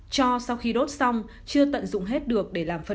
cho sau khi đốt xong chưa tận dụng hết được